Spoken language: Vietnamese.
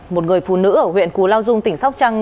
một người phụ nữ ở huyện cù lao dung tỉnh sóc trăng